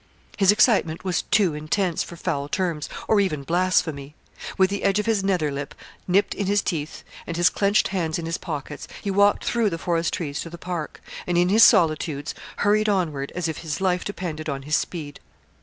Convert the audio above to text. His excitement was too intense for foul terms, or even blasphemy. With the edge of his nether lip nipped in his teeth, and his clenched hands in his pockets, he walked through the forest trees to the park, and in his solitudes hurried onward as if his life depended on his speed.